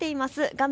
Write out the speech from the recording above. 画面